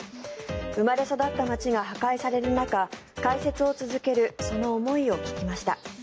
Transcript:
生まれ育った街が破壊される中解説を続けるその思いを聞きました。